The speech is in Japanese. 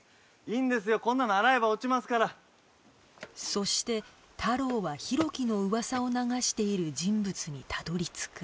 そして太郎は浩喜の噂を流している人物にたどり着く